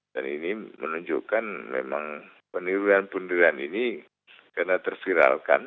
dan ini menunjukkan memang peniruan peniruan ini karena tersiralkan